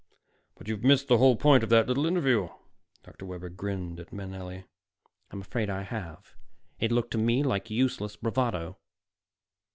But you've missed the whole point of that little interview." Dr. Webber grinned at Manelli. "I'm afraid I have. It looked to me like useless bravado."